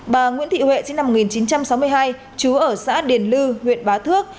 bà nguyễn thị huệ sinh năm một nghìn chín trăm sáu mươi hai chú ở xã điền lư huyện bá thước